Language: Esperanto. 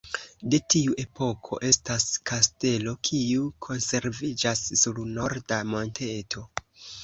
De tiu epoko estas kastelo, kiu konserviĝas sur norda monteto.